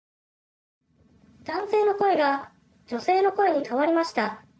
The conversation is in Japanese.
男性の声が女性の声に変わりました。